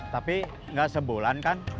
tapi gak sebulan kan